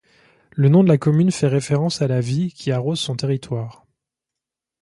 Le nom de la commune fait référence à la Vie qui arrose son territoire.